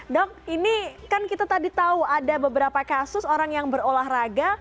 dok ini kan kita tadi tahu ada beberapa kasus orang yang berolahraga